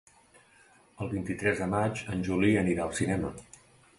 El vint-i-tres de maig en Juli anirà al cinema.